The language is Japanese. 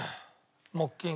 木琴。